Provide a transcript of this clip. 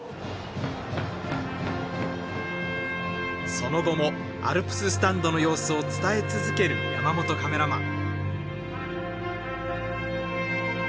その後もアルプススタンドの様子を伝え続ける山本カメラマン。